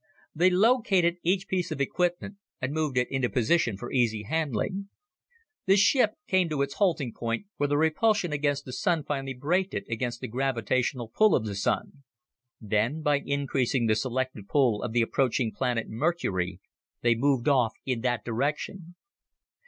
They located each piece of equipment and moved it into position for easy handling. The ship came to its halting point, where the repulsion against the Sun finally braked it against the gravitational pull of the Sun. Then, by increasing the selective pull of the approaching planet Mercury, they moved off in that direction.